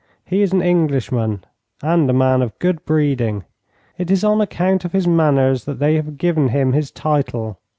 He is an Englishman, and a man of good breeding. It is on account of his manners that they have given him his title.